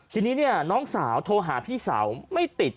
ทีนี้เนี่ยน้องสาวโทรหาพี่สาวไม่ติด